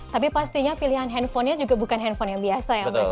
tapi pastinya pilihan handphonenya juga bukan handphone yang biasa ya mas ya